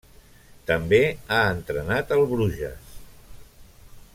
També ha entrenat al Bruges.